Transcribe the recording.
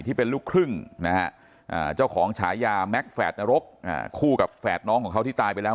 ที่เป็นลูกครึ่งนะฮะเจ้าของฉายาแม็กซแฝดนรกคู่กับแฝดน้องของเขาที่ตายไปแล้ว